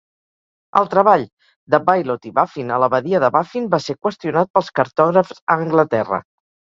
El treball de Bylot i Baffin a la badia de Baffin va ser qüestionat pels cartògrafs a Anglaterra.